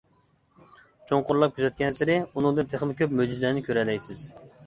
چوڭقۇرلاپ كۆزەتكەنسېرى، ئۇنىڭدىن تېخىمۇ كۆپ مۆجىزىلەرنى كۆرەلەيسىز.